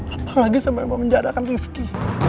apalagi sama yang memenjadakan riefki